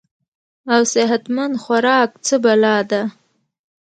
او صحت مند خوراک څۀ بلا ده -